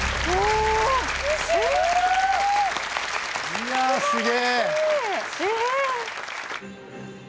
いやすげ。